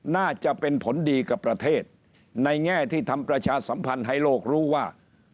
น่าจะเป็นผลดีกับประเทศในแง่ที่ทำประชาสัมพันธ์ให้โลกรู้ว่า